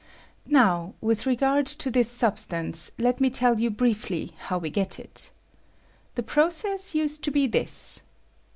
Now, with regard to this substance, let me tell you briefly how we get it. The process used to bo this.